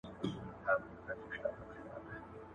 • مه کوه په ما، چي و به سي په تا.